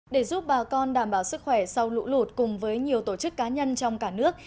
để giúp bà con đảm bảo sức khỏe sau lũ lụt cùng với nhiều tổ chức cá nhân trong cả nước